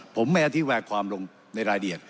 ผมแม้ที่แวกความลงในรายละเอียด